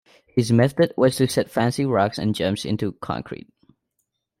His method was to set fancy rocks and gems into concrete.